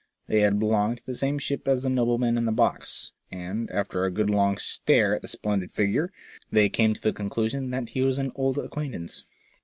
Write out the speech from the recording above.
They had belonged to the same ship as the nobleman in the box, and, after a good long stare at the splendid figure, they came to the conclusion that he was an old acquaintance.